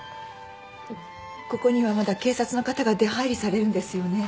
ここにはまだ警察の方が出はいりされるんですよね？